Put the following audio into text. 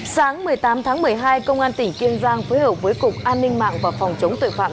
sáng một mươi tám tháng một mươi hai công an tỉnh kiên giang phối hợp với cục an ninh mạng và phòng chống tội phạm